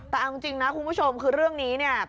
แต่เอาจริงนะคุณผู้ชมคือเรื่องนี้เนี่ย